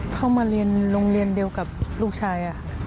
เข้ามาเรียนโรงเรียนเดียวกับลูกชาย